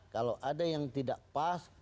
kalau ada yang tidak pas